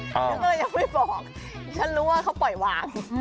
ฉันก็เลยยังไม่บอกฉันรู้ว่าเขาปล่อยวาง